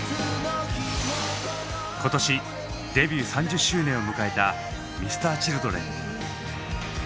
今年デビュー３０周年を迎えたＭｒ．Ｃｈｉｌｄｒｅｎ。